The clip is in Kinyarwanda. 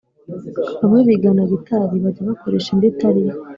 bamwe bigana gitari bajya bakoresha indi itariyo